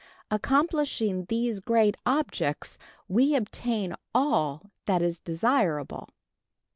Accomplishing these great objects, we obtain all that is desirable.